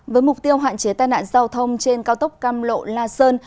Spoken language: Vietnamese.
với mục tiêu hạn chế tai nạn giao thông trên cao tốc cam lộ la sơn